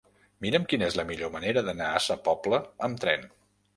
Mira'm quina és la millor manera d'anar a Sa Pobla amb tren.